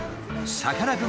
さかなクン！